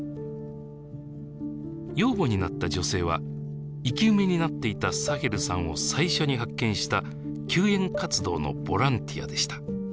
養母になった女性は生き埋めになっていたサヘルさんを最初に発見した救援活動のボランティアでした。